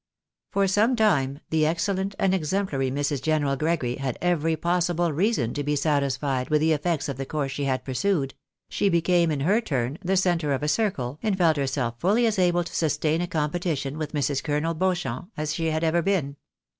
For some time the excellent and exemplary Mrs. General Gregory had every possible reason to be satisfied with the effects of the course she had pursued ; she became, in her turn, the centre of a circle, and felt herself fully as able to sustain a competition with Mrs. Colonel Beauchamp as she had ever been.